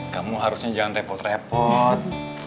kamu harusnya jangan repot repot